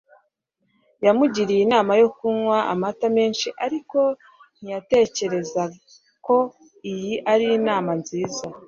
Yamugiriye inama yo kunywa amata menshi, ariko ntiyatekereza ko iyi ari inama nziza.